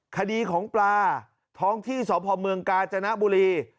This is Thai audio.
คดีของปลาท้องที่สพเมืองกาญจนบุรี